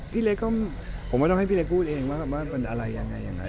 พี่เรกก็ผมว่าต้องให้พี่เรกพูดเองว่าเป็นอะไรอย่างไร